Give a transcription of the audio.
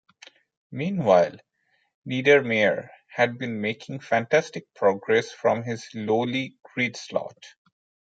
Meanwhile, Niedermayr had been making fantastic progress from his lowly grid slot.